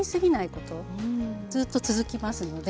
ずっと続きますので。